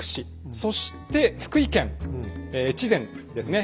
そして福井県越前ですね